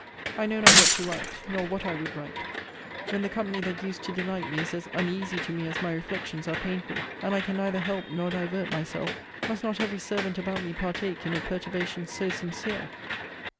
I know not what to write, nor what I would write. When the company that used to delight me is as uneasy to me as my reflections are painful, and I can neither help nor divert myself, must not every servant about me partake in a perturbation so sincere!